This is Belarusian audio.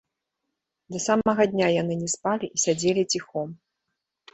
Да самага дня яны не спалі і сядзелі ціхом.